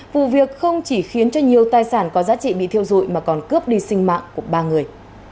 vụ việc không chỉ khiến cho nhiều tài sản có giá trị bị thiêu dụi mà còn cướp đi sinh mạng của ba người